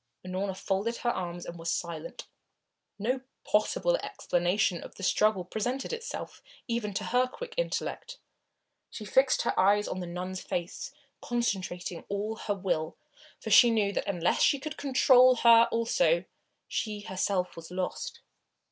Unorna folded her arms and was silent. No possible explanation of the struggle presented itself even to her quick intellect. She fixed her eyes on the nun's face, concentrating all her will, for she knew that unless she could control her also, she herself was lost.